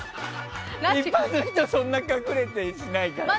一般の人はそんな隠れてしないから。